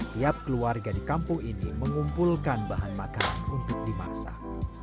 tiap keluarga di kampung ini mengumpulkan bahan makanan untuk dimasak